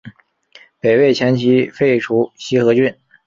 北魏前期废除西河郡。